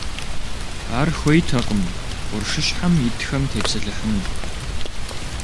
Ар хуейтэкъым къуршыщхьэм итхэм тепсэлъыхьыну.